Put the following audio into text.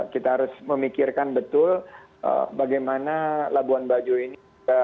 kita harus memikirkan betul bagaimana labuan bajo ini